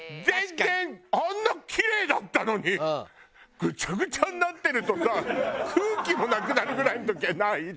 全然あんなキレイだったのにぐちゃぐちゃになってるとか空気もなくなるぐらいの時ない？